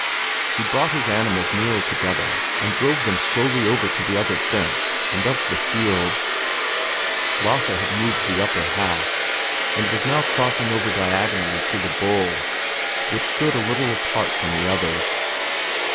He brought his animals nearer together and drove them slowly over to the other fence and up the fields. Lasse had moved the upper half, and was now crossing over diagonally to the bull, which stood a little apart from the others.